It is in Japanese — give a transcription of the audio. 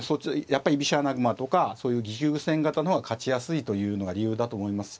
やっぱり居飛車穴熊とかそういう持久戦型の方が勝ちやすいというのが理由だと思います